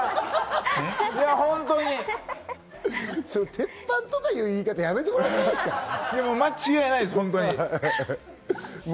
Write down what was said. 鉄板とかいう言い方、やめて間違いないです。